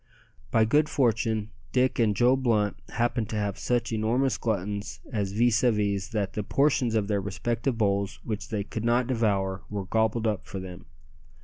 By good fortune Dick and Joe Blunt happened to have such enormous gluttons as vis à vis that the portions of their respective bowls which they could not devour were gobbled up for them.